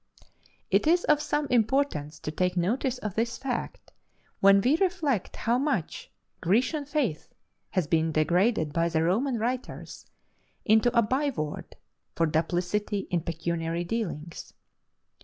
It is of some importance to take notice of this fact, when we reflect how much "Grecian faith" has been degraded by the Roman writers into a byword for duplicity in pecuniary dealings.